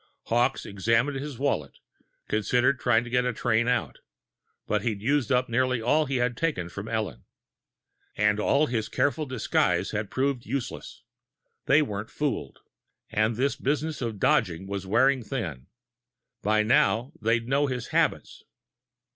Hawkes examined his wallet, considering trying to get a train out but he'd used up nearly all he had taken from Ellen. And all his careful disguise had proved useless. They weren't fooled and this business of dodging was wearing thin. By now, they'd know his habits!